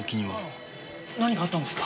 何かあったんですか？